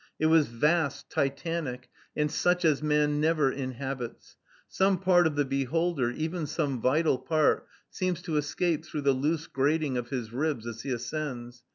It was vast, Titanic, and such as man never inhabits. Some part of the beholder, even some vital part, seems to escape through the loose grating of his ribs as he ascends.